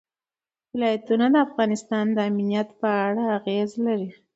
ولایتونه د افغانستان د امنیت په اړه اغېز لري.